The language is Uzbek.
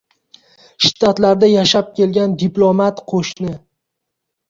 shtatlarda yashab kelgan diplomat qoʼshni